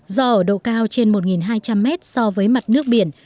do ở độ cao trên một hai trăm linh mét so với mặt nước biển